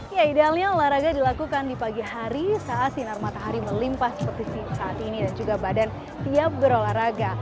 ya idealnya olahraga dilakukan di pagi hari saat sinar matahari melimpah seperti saat ini dan juga badan siap berolahraga